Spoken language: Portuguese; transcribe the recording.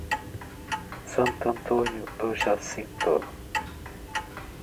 Santo Antônio do Jacinto